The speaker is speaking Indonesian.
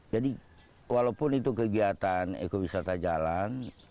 jadi walaupun itu kegiatan ekowisata jalan